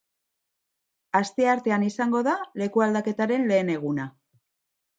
Asteartean izango da lekualdaketaren lehen eguna.